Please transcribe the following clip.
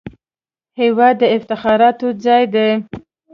هېواد د افتخاراتو ځای دی